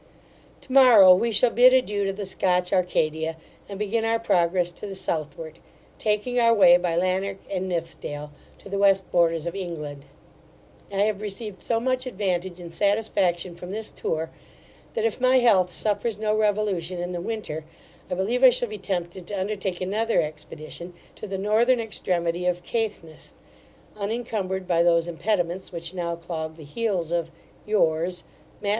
To morrow we shall bid adieu to the Scotch Arcadia, and begin our progress to the southward, taking our way by Lanerk and Nithsdale, to the west borders of England. I have received so much advantage and satisfaction from this tour, that if my health suffers no revolution in the winter, I believe I shall be tempted to undertake another expedition to the Northern extremity of Caithness, unencumbered by those impediments which now clog the heels of, Yours, MATT.